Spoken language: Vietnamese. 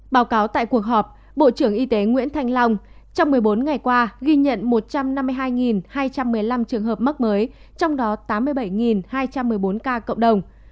báo cáo tại cuộc họp bộ trưởng y tế nguyễn thanh long trong một mươi bốn ngày qua ghi nhận một trăm năm mươi hai hai trăm một mươi năm trường hợp mắc mới trong đó tám mươi bảy hai trăm một mươi bốn ca cộng đồng